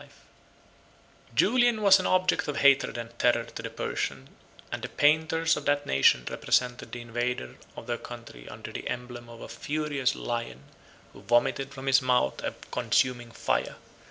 ] Julian was an object of hatred and terror to the Persian and the painters of that nation represented the invader of their country under the emblem of a furious lion, who vomited from his mouth a consuming fire.